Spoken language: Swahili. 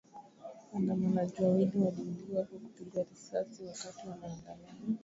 Waandamanaji wawili waliuawa kwa kupigwa risasi wakati wa maandamano nchini Sudan